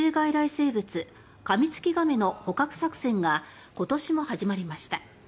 生物・カミツキガメの捕獲作戦が今年も始まりました。